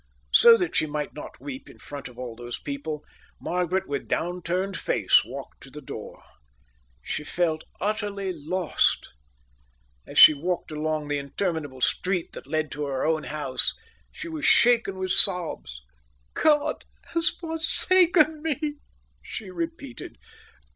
So that she might not weep in front of all those people, Margaret with down turned face walked to the door. She felt utterly lost. As she walked along the interminable street that led to her own house, she was shaken with sobs. "God has forsaken me," she repeated.